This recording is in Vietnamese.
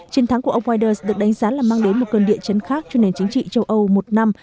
chiến thắng của ông widers được đánh giá là mang đến một cơn địa chấn khác cho nền chính trị châu âu một năm